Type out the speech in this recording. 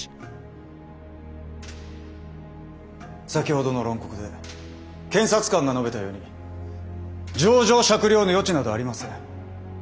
先ほどの論告で検察官が述べたように情状酌量の余地などありません。